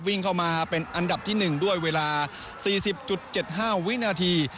วิ่งเข้ามาเป็นอันดับที่๑ด้วยเวลา๔๐๗๕วินาที